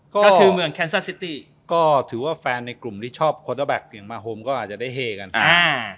ก็คือเมืองแคนซ่าซิตี้ก็ถือว่าแฟนในกลุ่มที่ชอบโคต้าแบ็คอย่างมาโฮมก็อาจจะได้เฮกันอ่า